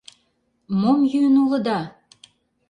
— Мом йӱын улыда?